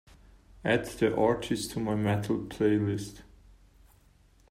Add the artist to my Metal playlist.